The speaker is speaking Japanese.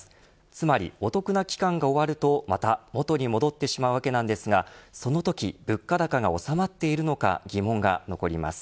つまり、お得な期間が終わるとまた元に戻ってしまうわけなんですがそのとき物価高が収まっているのか疑問が残ります。